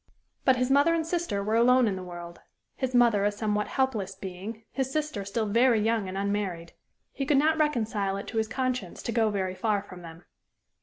But his mother and sister were alone in the world his mother a somewhat helpless being, his sister still very young and unmarried. He could not reconcile it to his conscience to go very far from them.